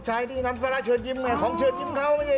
ใช่นี่น้ำปลาราเชิญยิมไงของเชิญยิมเขา